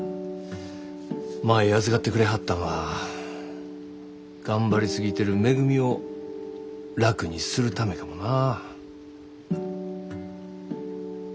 舞預かってくれはったんは頑張り過ぎてるめぐみを楽にするためかもな。